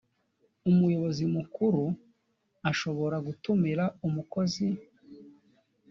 umuyobozi mukuru ashobora gutumira umukozi